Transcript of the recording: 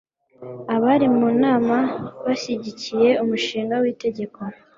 Abari mu nama bashyigikiye umushinga witegeko